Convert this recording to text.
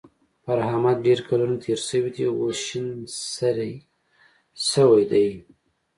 پر احمد ډېر کلونه تېر شوي دي؛ اوس شين سری شوی دی.